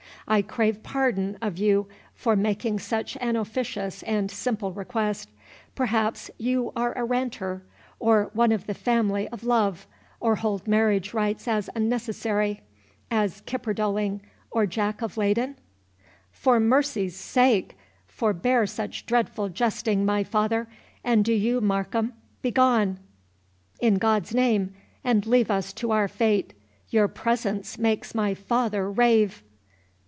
I crave pardon of you for making such an officious and simple request—perhaps you are a ranter—or one of the family of Love, or hold marriage rites as unnecessary, as Knipperdoling, or Jack of Leyden?" "For mercy's sake, forbear such dreadful jesting, my father! and do you, Markham, begone, in God's name, and leave us to our fate—your presence makes my father rave."